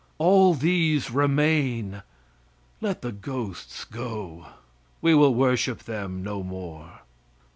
All these remain. Let the ghosts go we will worship them no more.